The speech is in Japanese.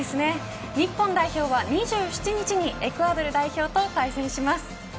日本代表は２７日にエクアドル代表と対戦します。